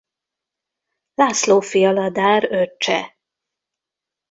Lászlóffy Aladár öccse.